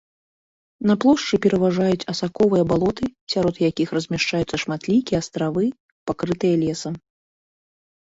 Па плошчы пераважаюць асаковыя балоты, сярод якіх размяшчаюцца шматлікія астравы, пакрытыя лесам.